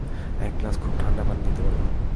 এক গ্লাস খুব ঠাণ্ডা পানি দিতে বল।